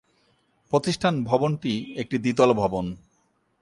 প্রতিষ্ঠান ভবনটি একটি দ্বিতল ভবন।